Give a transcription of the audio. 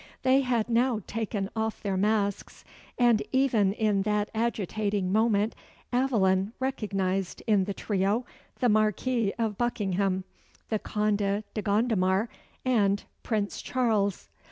They had now taken off their masks; and, even in that agitating moment Aveline recognised in the trio the Marquis of Buckingham, the Conde de Gondomar, and Prince Charles.